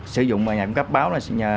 sử dụng nhà cung cấp báo là